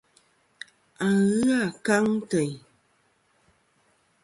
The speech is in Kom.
A ghɨ ankaŋ teyn.